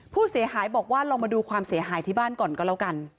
ผู้เสียหายบอกว่าลองมาดูความเสียหายที่บ้านก่อนก็แล้วกัน